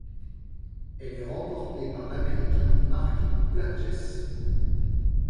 Elle est remportée par l'Américain Mark Plaatjes.